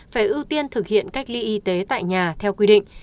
phải ưu tiên thực hiện cách ly y tế tại nhà theo quy định